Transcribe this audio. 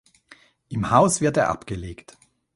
Im Haus wird er abgelegt.